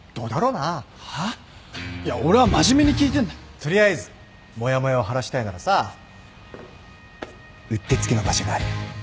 取りあえずもやもやを晴らしたいならさうってつけの場所があるよ